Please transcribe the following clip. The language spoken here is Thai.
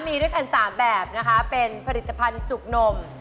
มีด้วยกัน๓แบบนะคะเป็นผลิตภัณฑ์จุกนม